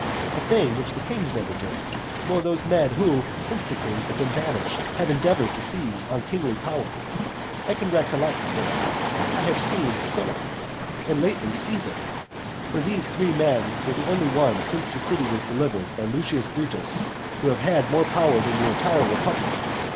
A thing which the kings never did, nor those men who, since the kings have been banished, have endeavoured to seize on kingly power. I can recollect Cinna; I have seen Sylla; and lately Caesar. For these three men are the only ones since the city was delivered by Lucius Brutus, who have had more power than the entire republic.